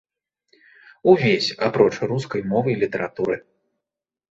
Увесь, апроч рускай мовы і літаратуры.